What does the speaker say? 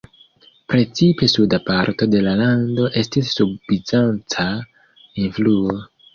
Precipe suda parto de la lando estis sub bizanca influo.